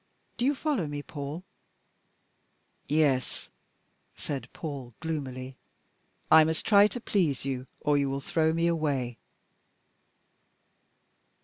Do you follow me, Paul?" "Yes." said Paul gloomily. "I must try to please you, or you will throw me away."